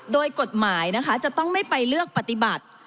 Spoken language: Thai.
โดยกฎหมายนะคะจะต้องไม่ไปเลือกปฏิบัติ